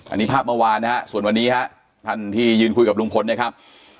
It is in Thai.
อันนี้ภาพเมื่อวานนะฮะส่วนวันนี้ฮะท่านที่ยืนคุยกับลุงพลนะครับ